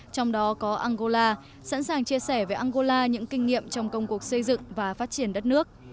trong đó có angola sẵn sàng chia sẻ về angola những kinh nghiệm trong công cuộc xây dựng và phát triển đất nước